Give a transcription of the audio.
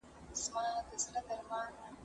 زه اوږده وخت د سبا لپاره د سوالونو جواب ورکوم!!